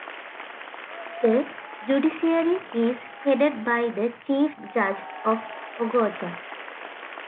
The judiciary is headed by the Chief Judge of Ogoja.